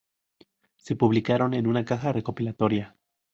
Se publicaron en una caja recopilatoria.